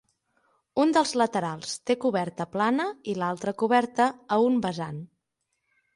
Un dels laterals té coberta plana i l'altra coberta a un vessant.